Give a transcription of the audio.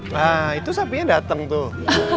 nah itu sapinya datang tuh